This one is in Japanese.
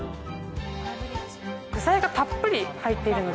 具材がたっぷり入っているの